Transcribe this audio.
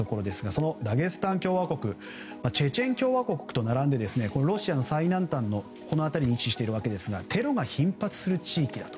そのダゲスタン共和国チェチェン共和国と並んでロシアの最南端に位置しているわけですがテロが頻発する地域だと。